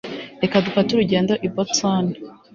reka dufate urugendo i boston